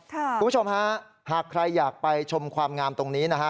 คุณผู้ชมฮะหากใครอยากไปชมความงามตรงนี้นะฮะ